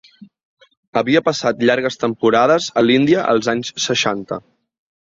Havia passat llargues temporades a l'Índia als anys seixanta.